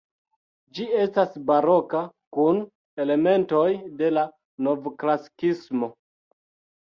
Ĝi estas baroka kun elementoj de la novklasikismo.